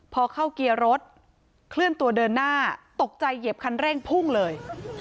พอเข้าเกียร์รถเคลื่อนตัวเดินหน้าตกใจเหยียบคันเร่งพุ่งเลย